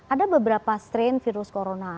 ada beberapa strain virus corona